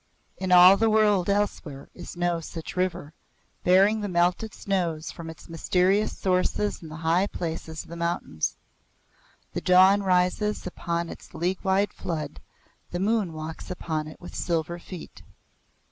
In all the world elsewhere is no such river, bearing the melted snows from its mysterious sources in the high places of the mountains. The dawn rises upon its league wide flood; the moon walks upon it with silver feet.